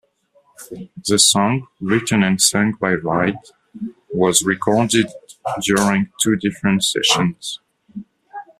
The song, written and sung by Wright, was recorded during two different sessions.